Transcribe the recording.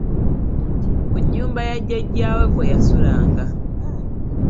Ku nnyumba ya jjajja we kwe yasulanga.